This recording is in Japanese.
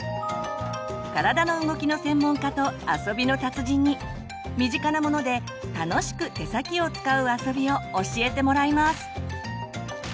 体の動きの専門家と遊びの達人に身近なもので楽しく手先を使う遊びを教えてもらいます！